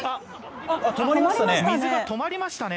止まりましたね！